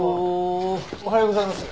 おはようございます。